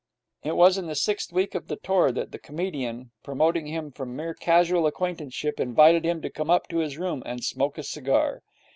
It was in the sixth week of the tour that the comedian, promoting him from mere casual acquaintanceship, invited him to come up to his room and smoke a cigar.